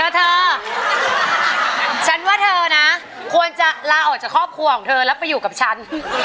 เธอฉันว่าเธอนะควรจะลาออกจากครอบครัวของเธอแล้วไปอยู่กับฉัน